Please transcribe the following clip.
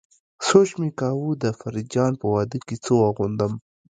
سوچ مې کاوه د فريد جان په واده کې څه واغوندم.